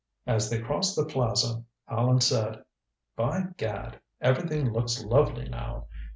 As they crossed the plaza Allan said: "By gad everything looks lovely now.